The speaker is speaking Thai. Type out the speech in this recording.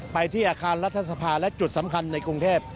ไปที่อาคารรัฐสภาและจุดสำคัญในกรุงเทพ